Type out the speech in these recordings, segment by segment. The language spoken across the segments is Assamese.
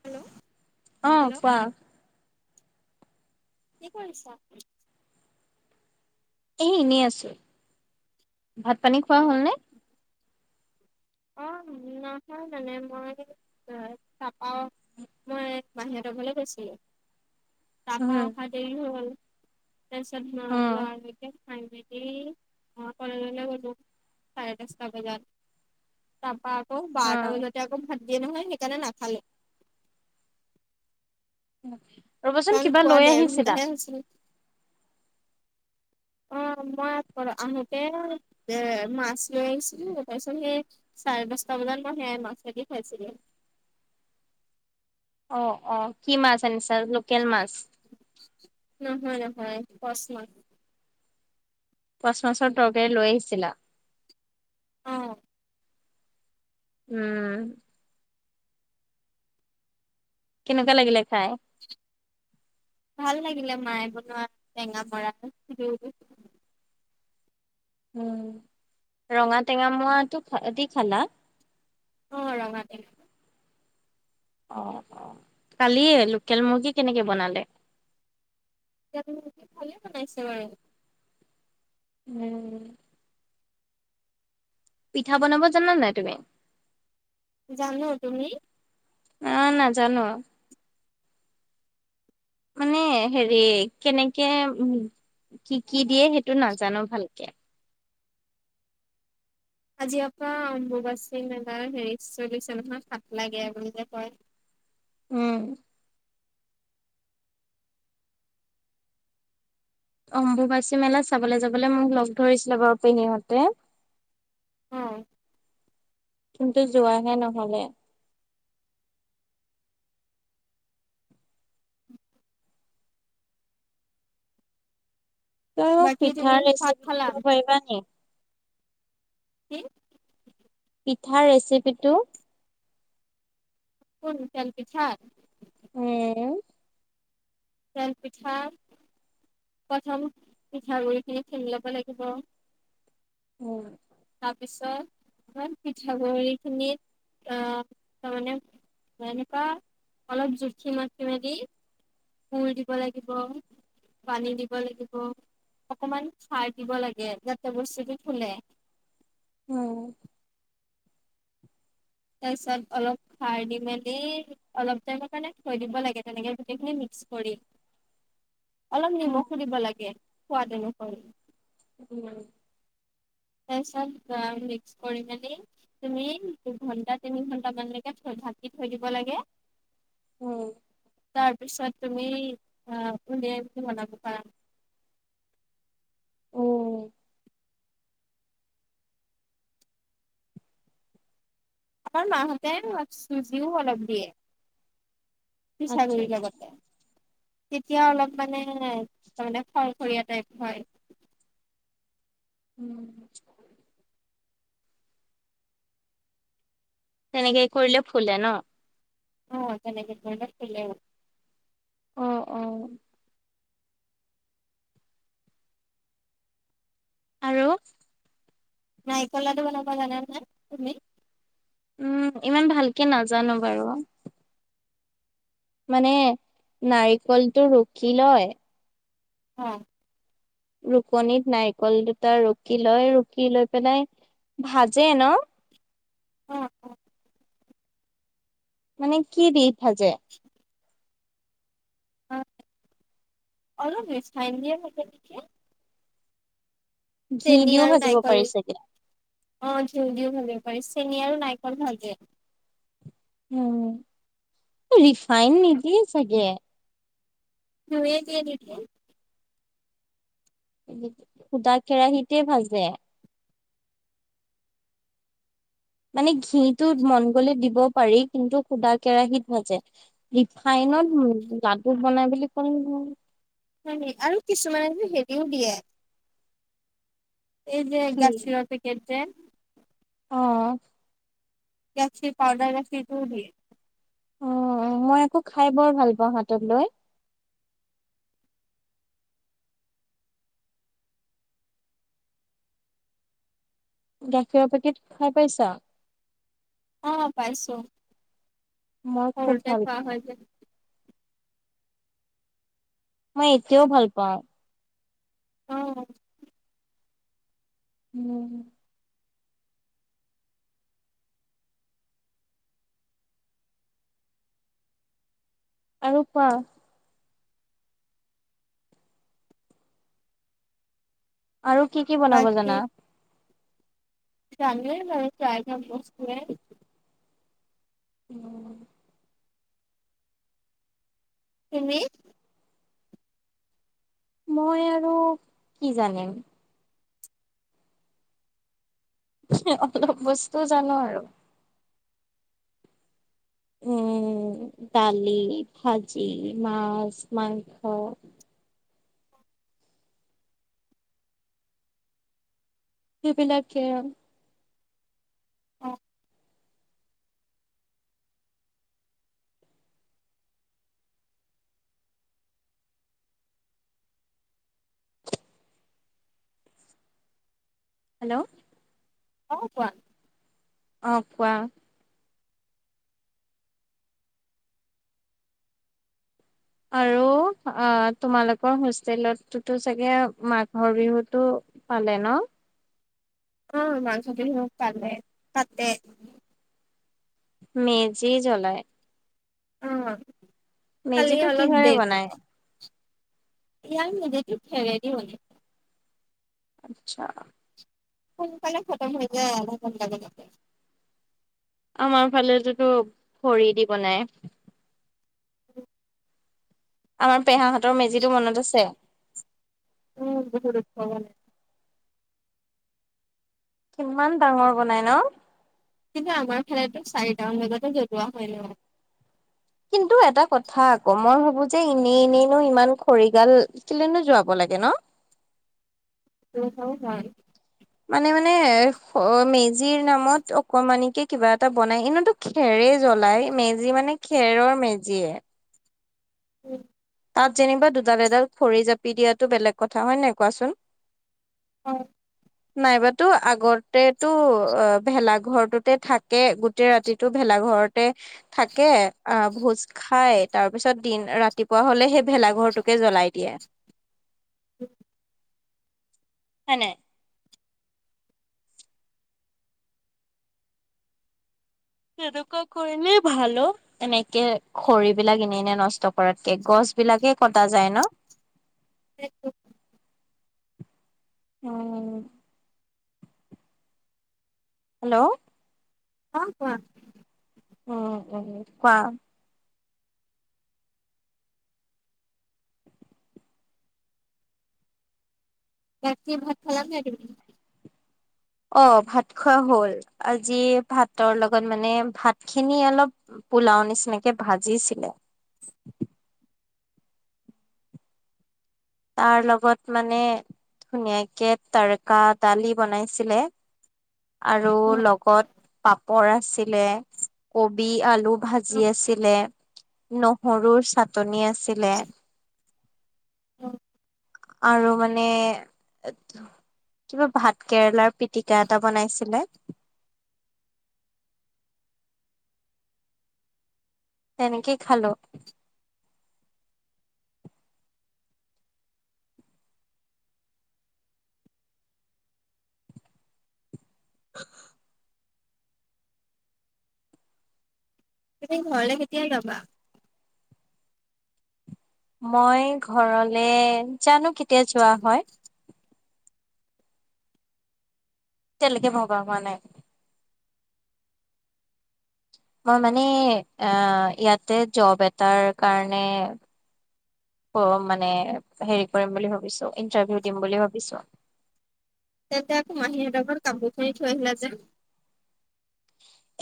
হেল্ল'। অ', হেল্ল' কোৱা? কি কৰিছা? এই এনেই আছোঁ, ভাত পানী খোৱা অ', হ'লনে? অ', নহয় মানে মই চাপাও। মই মাহীহঁতৰ ঘৰলৈ গৈছিলোঁ। তাৰপা উম অহা দেৰি হৈ গ'ল, তাৰ পিছত মই লৰা লৰিকে সে বাইটি কলেজলৈ গ'লো চাৰে দশটা বজাত। তাৰপা আকৌ অ বাৰটা বজাতে আকৌ ভাত দিয়ে নহয় সেইকাৰণে নাখালোঁ। ৰব কাৰণ খোৱা দেৰ ঘণ্টা হে হৈছিল। অ', মই আহোতে এ মাছ লৈ আহিছিলো তাৰ পাৰ পিছত সেই চাৰে দছটা বজাত মই সেয়া মাছে দি খাইছিলো। অ', অ, কি মাছ আনিছা লোক নহয়, নহয় কচ মাছ। কচ মাছৰ টৰকৰি লৈ আহিছিলা? অ'। উম। কেনেকুৱা লাগিলে খাই? ভাল লাগিলে। মাই বনোৱা টেঙা মৰাপত দি। ৰঙা টেঙ মৰাটো দি খালা? অ', ৰঙা টেঙা। অ', অ, কালি লোকেল মুৰ্গী কেনেকে বনালে? এতিয়া ভালে বনাইছে বাৰু। উম। পিঠা বনাব জানা নাই তুমি? জানো। তুমি? অ' নাজানো। মানে হেৰি কেনেকে কি কি দিয়ে সেইটো নাজানো ভালকে। আজিৰ পৰা অম্বুবাচী মেলাৰ হেৰি চলিছে নহয়, সাতলাগে বুলি যে কয়? উম। অম্বুবাচী মেলা চাবলৈ যাবলৈ মোক লগ ধৰিছিলে বাৰু পেহীহঁতে। অ'। কিন্তু যোৱাহে নহ'লে। তই মোক বাকী তুমি পিঠাৰ ভাত ৰেচিপিটো খালা? [unintelligible] কি? পিঠাৰ ৰেচিপিটো? কোন তেল পিঠাত? উম। তেল পিঠা প্ৰথম পিঠাগুৰি খুন্দি লব লাগিব উম তাৰপিছত পিঠাগুড়ি খিনিত আহ তাৰমানে এনেকুৱা অলপ জুখি মাখি মেলি গুৰ দিব লাগিব পানী দিব লাগিব, অকমান খাৰ দিব লাগে যাতে বস্তুটো ফুলে। উম। তাৰপিছত অলপ খাৰ দি মেলি অলপ টাইমৰ কাৰণে থৈ দিব লাগে তেনেকে গোটেইখিনি মিক্স কৰি। অলপ উম নিমখো দিব লাগে সোৱাদ অনুসৰি। উম। তাৰপিছত মিক্স কৰি মেলি তুমি দুঘন্টা তিনি ঘন্টা মানলৈকে থ ঢাকি থৈ দিব লাগে উম। তাৰপিছত তুমি ধুনীয়াকে বনাব পাৰা। উম আমাৰ মাহঁতে চুজিও অলপ দিয়ে। আচ্ছা পিচাগুৰি আচ্ছা লগতে। তেতিয়া অলপ মানে মানে ফলসৰীয়া টাইপ হয়। ওম। তেনেকে কৰিলে ফুলে ন? অ তেনেকে কৰিলে ফুলেও। অ অ। আৰু। নাইকল লাডু বনাব যানা নাই তুমি? উম, ইমান ভালকে নাজানো বাৰু। মানে নাৰিকলটো ৰুকি লয়। অ। ৰুকনিত নাৰিকল দুটা ৰুকি লয়, ৰুকি লৈ পেলাই ভাজে ন? অঁ অঁ। মানে কি দি ভাজে? [inaudible] অ, অলপ ৰিফাইন দিয়া থাকে নিকি? ঘি চেনি দিও আৰু ভাজিব নাৰিকল। পাৰি চাগে অ ঘিউ দিওঁ ভালে পাৰি চেনী আৰু নাইকল ভাজে। উম, ৰিফাইন নিদিয়ে চাগে। [unintelligible] সোদা কেৰাহিতে ভাজে। মানে ঘিটো মন গ'লে দিব পাৰি কিন্তু সুদা কেৰাহিত ভাজে। ৰিফাইনত লাডু বনাই বুলি ক'লে। হয়নি আৰু কিছুমানে হেৰিও দিয়ে। এই যে কি গাখীৰৰ পেকেট যে। অ। গাখীৰ পাউডাৰ গাখীৰটো দিয়ে। অ মই আকৌ খাই বৰ ভাল পাওঁ হাতত লৈ। গাখীৰৰ পেকেট খাই পাইছা? অ পাইছো, মই খুব সৰুতে ভাল খোৱা পাওঁ হয় যে। মই এতিয়াও ভাল পাওঁ। অ। উম। আৰু কোৱা? আৰু কি কি বনাব বাকী জানা? জানোৱে বাৰো প্ৰায় ভাগ বস্তুৱে। উম। তুমি? মই আৰু কি জানে? হে অলপ বস্তু জানো আৰু। উম, দালি, ভাজি, মাছ, মাংস। সেইবিলাকে। অ। হেল্ল'? অ কোৱা? অঁ কোৱা? আৰু অ, তোমালোকৰ হোষ্টেলতোতো চাগে, মাঘৰ বিহুতো পালে ন? অ, মাঘৰ বিহু‌ পালে পাতে। মেজি জ্বলাই। অ, কালি মেজিটো অলপ কিহেৰে দেৰি [inaudible] বনাই ইয়াক নেদেখি [unintelligible] আচ্ছা। সোনকালে খতম হৈ, যায় গ'ল [unintelligible] আমাৰ ফালেতোটো, ভৰি দি বনাই। [inaudible] আমাৰ পেহাহঁতৰ, মেজিটো মনত আছে? উম, বহুত কিমান ডাঙৰ বনাই ন? কিন্তু আমাৰ ফালেতো চাৰিটামান, বজাতে জ্বলোৱা হয় ন, কিন্তু এটা কথা আকৌ মই ভাবো যে, এনেই এনেইনো ইমান খৰিগাল কেলেই ন, জ্বলাব লাগে ন? সেইটোৱো হয়। মানে, মানে এহ, মেজিৰ নামত অকমানিকে কিবা এটা বনাই, এনেতো খেৰে জ্বলাই মেজি মানে খেৰৰ মেজিয়ে। উম, তাত যেনিবা দুডাল, এডাল খৰি জাপি দিয়াতো বেলেগ কথা হয়, নে নাই কোৱাচোন। হয়। নাইবাতো আগতেতো অ, ভেলাঘৰটোতে থাকে গোটেই ৰাতিটো ভেলাঘৰ তে, থাকে আহ ভোজ খাই, তাৰপিছত দিন ৰাতিপুৱা হ'লে সেই ভেলাঘৰটোকে জ্বলাই দিয়ে। উম, হয়, নাই। তেনেকুৱা কৰিলেই ভাল অ, এনেকে খৰিবিলাক এনে এনে নষ্ট। কৰাতকে গছ বিলাকে কটা যায় ন, [inaudible] উম, হেল্ল, অ, কোৱা। উম, উম, কোৱা। ৰাতি ভাত খাল নে নাই তুমি? অ, ভাত খোৱা হ'ল, আজি ভাতৰ লগত মানে ভাত খিনি অলপ পোলাও নিচিনাকে ভাজিছিলে। তাৰ লগত মানে ধুনীয়াকে তাৰকা দালি, বনাইছিলে। আৰু লগত পাপৰ আছি লে, কবি আলু ভাজি আছিলে। নহৰুৰ চাটনি আছিলে। [inaudible] আৰু মানে কিবা ভাত কেৰেলাৰ পিটিকা এটা বনাইছিলে। তেনেকেই খালো। [inaudible] তুমি ঘৰলে কেতিয়া যাবা? মই ঘৰলে জানো কেতিয়া যোৱা হয়। এতিয়ালৈকে ভবা হোৱা নাই। মই মানে আ, ইয়াতে জব এটাৰ কাৰণে কম মানে হেৰি কৰিম বুলি ভাবিছোঁ, ইন্টাৰভিউ দিম বুলি ভাবিছোঁ। তেতিয়া আকৌ মাহিহঁতৰ ঘৰত কাপোৰখিনি থৈ আহিলা যে।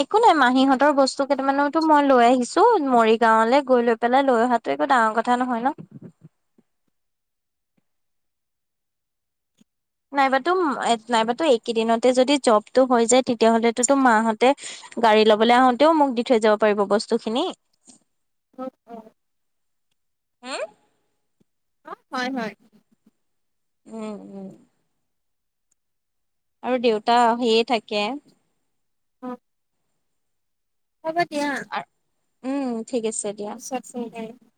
একো নাই, মাহীহঁতৰ বস্তু কেইটামানোতো মই লৈ আহিছোঁ মৰিগাঁৱলে গৈ লৈ পেলাই লৈ অহাটো একো ডাঙৰ কথা নহয় ন'। নাইবাতো, নাইবাতো এইকেইদিনতে যদি জবটো হৈ যায় তেতিয়াহ'লেতোতো মাহঁতে গাড়ী ল'বলৈ আহোতেও মোক দি থৈ যাব পাৰিব বস্তুখিনি। [unintelligible] হু? হয় হয়। উম, উম। আৰু দেউতা আহিয়ে থাকে। উম। উম, ঠিক আছে। দিয়া [unintelligible]